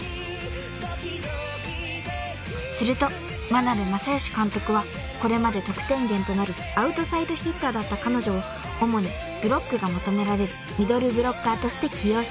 ［すると眞鍋政義監督はこれまで得点源となるアウトサイドヒッターだった彼女を主にブロックが求められるミドルブロッカーとして起用します］